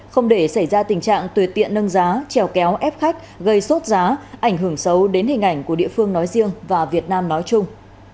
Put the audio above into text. không để xảy ra tình trạng tuyệt tiện nâng giá trèo kéo ép khách gây sốt giá ảnh hưởng xấu đến hình ảnh của địa phương nói riêng và việt nam nói chung